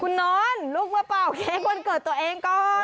คุณนอนลุกมาเป่าเค้กวันเกิดตัวเองก่อน